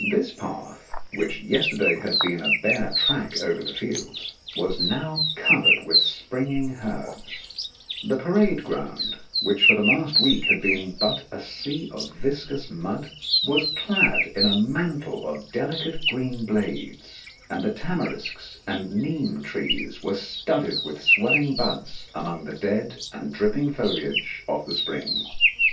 This path, which yesterday had been a bare track over the fields, was now covered with springing herbs; the parade no In the Dark ground, which for the last week had been but a sea of viscous mud, was clad in a mantle of delicate green blades, and the tamarisks and neem trees were studded with swelling buds among the dead and dripping foliage of the spring.